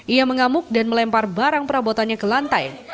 ia mengamuk dan melempar barang perabotannya ke lantai